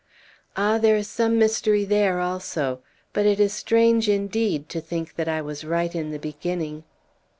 "Ah, there is some mystery there also. But it is strange, indeed, to think that I was right in the beginning!"